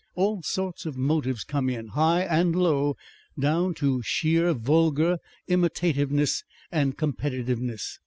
All sorts of motives come in, high and low, down to sheer vulgar imitativeness and competitiveness.